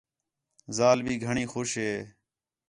ذال بھی گھݨیں خوش ہے